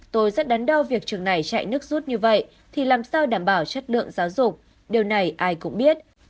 tôi rất đắn đo việc trường này chạy nước rút như vậy thì làm sao đảm bảo chất lượng giáo dục điều này ai cũng biết